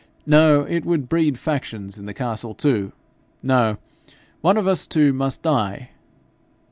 No it would breed factions in the castle too. No; one of us two must die.'